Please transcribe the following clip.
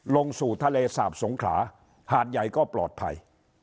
ลงสู่ทะเลสาบสงขลาหาดใหญ่ก็ปลอดภัย